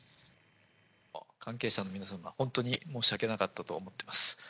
関係者の皆様、本当に申し訳なかったと思ってます。